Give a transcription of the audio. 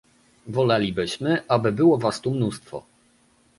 Wolelibyśmy, aby było was tu mnóstwo